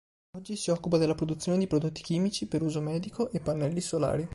Oggi si occupa della produzione di prodotti chimici per uso medico e pannelli solari.